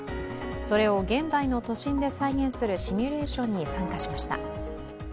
それを現代の都心で再現するシミュレーションに参加しました。